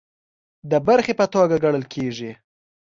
د برخې په توګه ګڼل کیږي